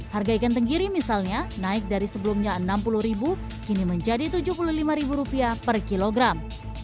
harga ikan tenggiri misalnya naik dari sebelumnya rp enam puluh kini menjadi rp tujuh puluh lima per kilogram